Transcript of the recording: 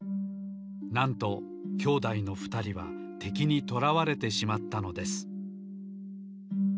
なんと兄弟のふたりはてきにとらわれてしまったのです。